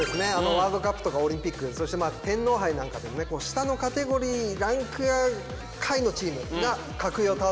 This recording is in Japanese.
ワールドカップとかオリンピックそして天皇杯なんかでも下のカテゴリーランクが下位のチームが格上を倒すっていうね